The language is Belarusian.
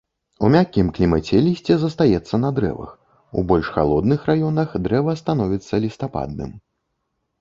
У мяккім клімаце лісце застаецца на дрэвах, у больш халодных раёнах дрэва становіцца лістападным.